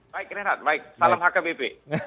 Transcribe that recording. baik renat baik salam hkbp